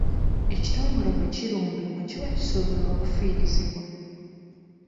Ekitongole bwe kirumbibwa kiba kisuubirwa okufiirizibwa.